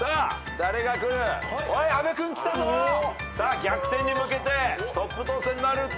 逆転に向けてトップ当選なるか？